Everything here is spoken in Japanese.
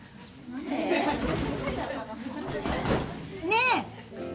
ねえ！